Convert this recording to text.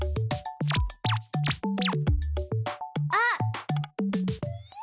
あっ！